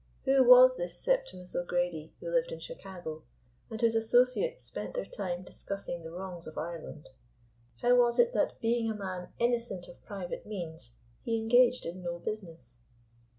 Who was this Septimus O'Grady who lived in Chicago, and whose associates spent their time discussing the wrongs of Ireland? How was it that, being a man innocent of private means, he engaged in no business?